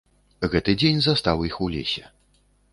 Гэты дзень застаў іх у лесе.